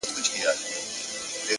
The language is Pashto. خدايه پاكه صرف يو دانه يار راته وساته.!